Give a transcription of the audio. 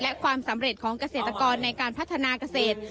และความสำเร็จของเกษตรกรในการพัฒนาเกษตร